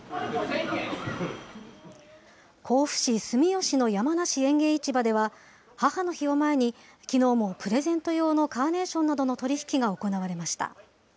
甲府市住吉の山梨園芸市場では、母の日を前に、きのうもプレゼント用のカーネーションなどの取り引きが行われました。